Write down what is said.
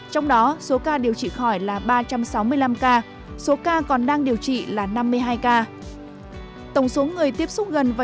trong đó số ca điều trị khỏi là ba trăm sáu mươi năm ca số ca còn đang điều trị là năm mươi hai ca